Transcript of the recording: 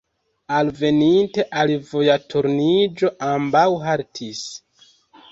Alveninte al vojturniĝo, ambaŭ haltis.